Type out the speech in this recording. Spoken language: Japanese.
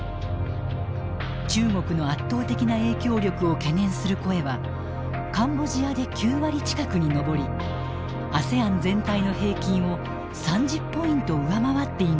中国の圧倒的な影響力を懸念する声はカンボジアで９割近くに上りＡＳＥＡＮ全体の平均を３０ポイント上回っていました。